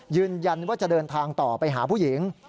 ยืนยันว่าจะเดินทางต่อไปหาผู้หญิง